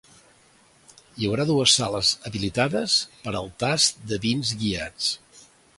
Hi haurà dues sales habilitades per als tasts de vins guiats.